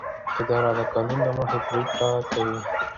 اداره د قانون له مخې پریکړې کوي.